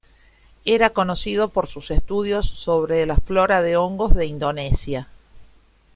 Era conocido por sus estudios sobre la flora de hongos de Indonesia.